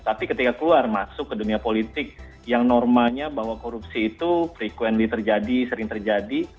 tapi ketika keluar masuk ke dunia politik yang normanya bahwa korupsi itu frekuensi terjadi sering terjadi